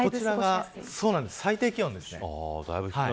最低気温です。